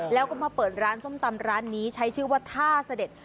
แล้วก็มาเปิดร้านส้มตำร้านนี้ใช้ชื่อว่าท่าเสด็จ